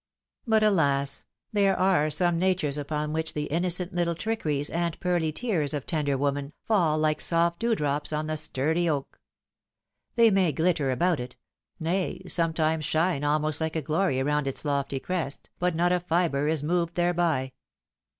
But, alas! there are some natures upon which the innocent little trickeries and pearly tears of tender woman faU like soft dew drops on the sturdy oak. They may gUtter about it ; nay, sometimes shine almost like a glory around its lofty crest, but not a fibre is moved thereby.